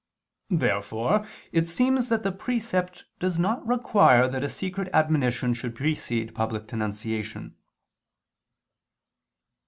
] Therefore it seems that the precept does not require that a secret admonition should precede public denunciation.